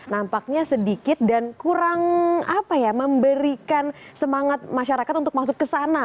nampaknya sedikit dan kurang memberikan semangat masyarakat untuk masuk ke sana